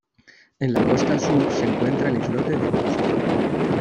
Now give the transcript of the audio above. En la costa sur se encuentra el islote de Bosc.